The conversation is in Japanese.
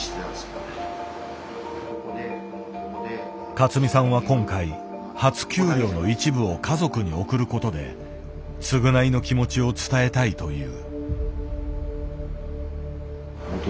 勝美さんは今回初給料の一部を家族に送ることで償いの気持ちを伝えたいという。